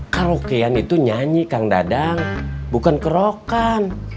karaokean itu nyanyi kang dadang bukan kerokan